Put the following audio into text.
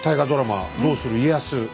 「どうする家康」ねえ